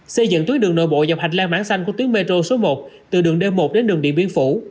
xây dựng tuyến đường nội bộ dọc hạch lan mãng xanh của tuyến metro số một từ đường d một đến đường điện biên phủ